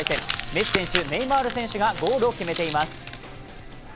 メッシ選手、ネイマール選手がゴールを決めています。